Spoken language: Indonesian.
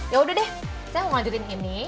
ya udah deh saya mau lanjutin ini